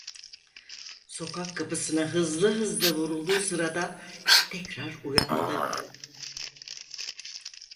Sokak kapısına hızlı hızlı vurulduğu sırada, tekrar uyandı.